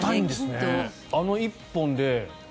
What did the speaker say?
あの１本で。